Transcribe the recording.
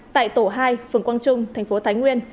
tại tổ hai phường quang trung thành phố thái nguyên